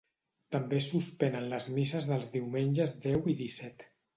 També es suspenen les misses dels diumenges deu i disset.